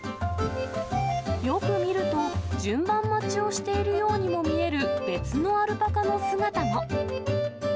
よく見ると、順番待ちをしているようにも見える別のアルパカの姿も。